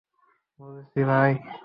বুঝেছি, ভাই।